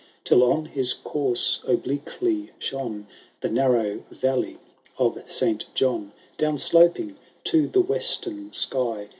Till on his course obliquely shone The nanow valley of Saint John, Down sloping to the western sky.